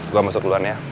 gua masuk duluan ya